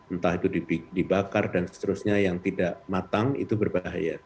entah itu dibakar dan seterusnya yang tidak matang itu berbahaya